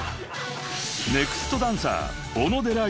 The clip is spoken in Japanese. ［ネクストダンサー小野寺結衣］